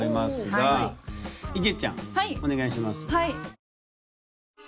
はい！